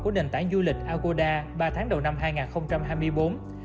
của nền tảng du lịch agoda ba tháng đầu năm hai nghìn hai mươi bốn